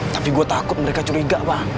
tapi gua takut mereka curiga bang